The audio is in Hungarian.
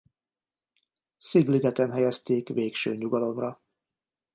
Szigligeten helyezték végső nyugalomra.